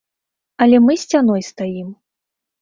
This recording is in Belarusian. Але мы сцяной стаім.